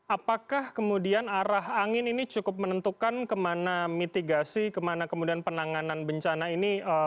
apakah kemudian arah angin ini cukup menentukan kemana mitigasi kemana kemudian penanganan bencana ini